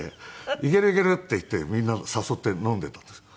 「いけるいける」って言ってみんな誘って飲んでいたんです。